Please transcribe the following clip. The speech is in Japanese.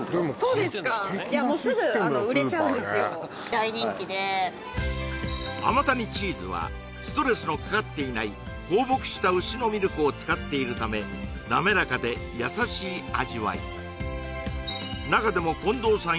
そうですか大人気であまたにチーズはストレスのかかっていない放牧した牛のミルクを使っているため滑らかで優しい味わい中でも近藤さん